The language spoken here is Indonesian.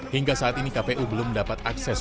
hingga saat ini kpu belum mendapat akses